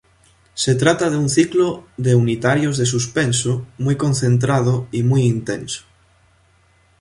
Se trata de un ciclo de unitarios de suspenso muy concentrado y muy intenso.